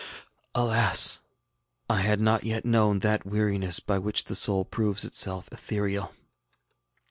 Alas! I had not wet known that weariness by which the soul proves itself ethereal.